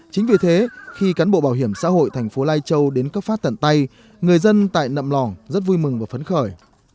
chính vì thế khi cán bộ bảo hiểm xã hội thành phố lai châu đến cấp phát tận tay người dân tại nậm lòng rất vui mừng và phấn khởi